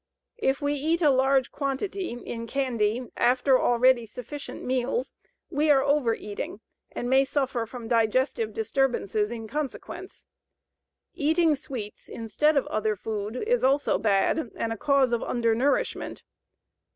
If we eat a large quantity in candy after already sufficient meals, we are overeating and may suffer from digestive disturbances in consequence. Eating sweets instead of other food is also bad and a cause of undernourishment.